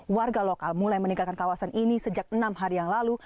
warga lokal mulai meninggalkan kawasan ini sejak enam hari yang lalu